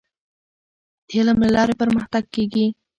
د علم له لارې پرمختګ کیږي.